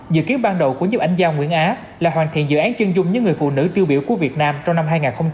dự kiến ban đầu của nhếp ảnh gia nguyễn á là hoàn thiện dự án chân dung những người phụ nữ tiêu biểu của việt nam trong năm hai nghìn hai mươi